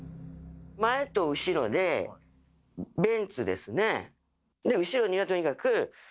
前と後ろでベンツですね。